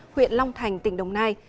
huyện long thành tỉnh đồng nai